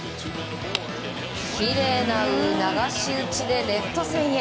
きれいな流し打ちでレフト線へ。